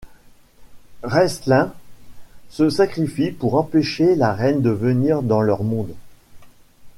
Raistlin se sacrifie pour empêcher la Reine de venir dans leur monde.